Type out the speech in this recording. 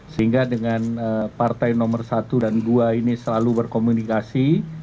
sehingga dengan partai nomor satu dan dua ini selalu berkomunikasi